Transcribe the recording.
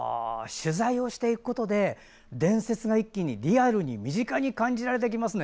取材をしていくことで伝説が一気にリアルに身近に感じられてきますね。